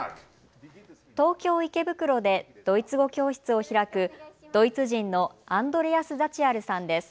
東京池袋でドイツ語教室を開くドイツ人のアンドレアス・ザチアルさんです。